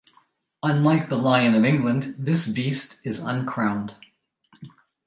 Unlike the Lion of England, this beast is uncrowned.